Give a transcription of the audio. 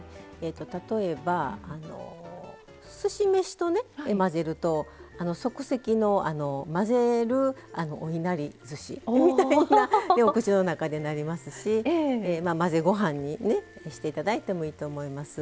例えばすし飯とね混ぜると即席の混ぜるおいなりずしみたいなお口の中でなりますし混ぜご飯にして頂いてもいいと思います。